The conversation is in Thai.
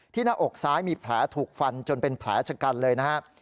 หน้าอกซ้ายมีแผลถูกฟันจนเป็นแผลชะกันเลยนะครับ